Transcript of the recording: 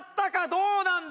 どうなんだ？